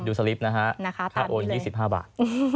ดูสลิฟนะคะค่าโอน๒๕บาท